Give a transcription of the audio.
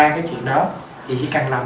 ba cái chuyện đó thì chỉ cần làm